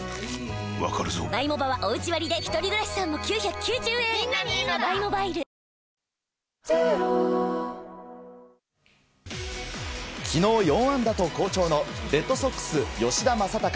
わかるぞ昨日４安打と好調のレッドソックス、吉田正尚。